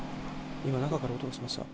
今、中から音がしました。